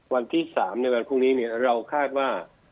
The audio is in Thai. วันที่๓ในวันพรุ่งนี้เราคาดว่า